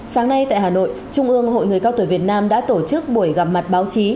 sáng nay tại hà nội trung ương hội người cao tuổi việt nam đã tổ chức buổi gặp mặt báo chí